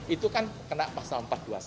itu kan kena pasal empat ratus dua puluh satu